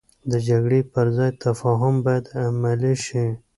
د جګړې پر ځای تفاهم باید عملي شي.